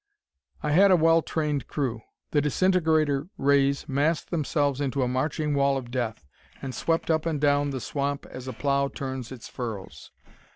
I had a well trained crew. The disintegrator rays massed themselves into a marching wall of death, and swept up and down the swamp as a plough turns its furrows.